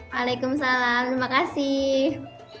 waalaikumsalam terima kasih